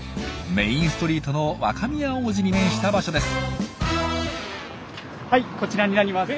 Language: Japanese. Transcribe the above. メインストリートの若宮大路に面した場所です。